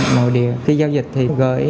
nội địa khi giao dịch thì gửi